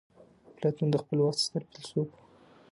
اپلاتون د خپل وخت ستر فيلسوف وو.